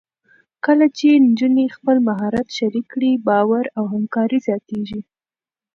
کله چې نجونې خپل مهارت شریک کړي، باور او همکاري زیاتېږي.